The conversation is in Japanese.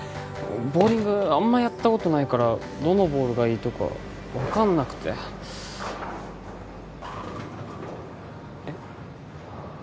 ボウリングあんまやったことないからどのボールがいいとか分かんなくてえっ？